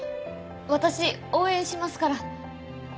私応援しますから。